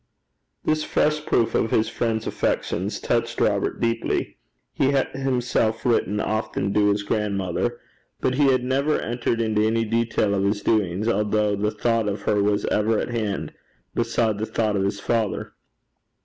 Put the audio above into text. This fresh proof of his friend's affection touched Robert deeply. He had himself written often to his grandmother, but he had never entered into any detail of his doings, although the thought of her was ever at hand beside the thought of his father.